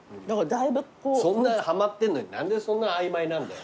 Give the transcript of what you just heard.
そんなはまってんのに何でそんな曖昧なんだよ。